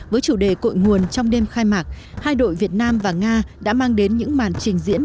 với chủ đề cội nguồn trong đêm khai mạc hai đội việt nam và nga đã mang đến những màn trình diễn